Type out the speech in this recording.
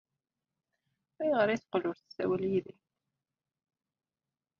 Ayɣer ay teqqel ur tessawal yid-i?